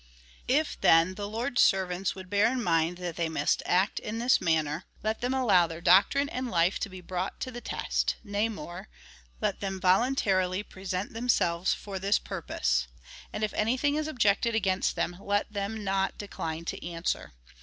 If, then, the Lord's servants would bear in mind that they must act in this manner, let them allow their doctrine and life to be brought to the test, nay more, let them voluntarily present themselves for this purpose ; and if anything is ob jected against them, let them not decline to answer.